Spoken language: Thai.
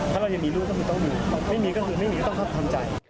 ถ้าเรายังมีลูกก็คือต้องมีไม่มีก็คือไม่มีก็ต้องครับทำใจ